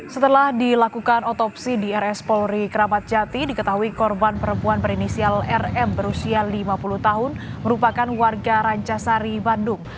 setelah dilakukan otopsi di rs polri keramat jati diketahui korban perempuan berinisial rm berusia lima puluh tahun merupakan warga rancasari bandung